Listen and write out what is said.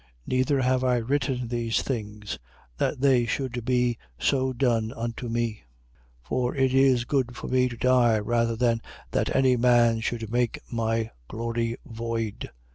Neither have I written these things, that they should be so done unto me: for it is good for me to die rather than that any man should make my glory void.